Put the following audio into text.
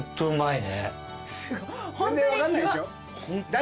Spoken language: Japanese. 全然分かんないでしょ？